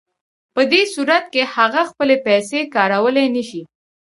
په دې صورت کې هغه خپلې پیسې کارولی نشي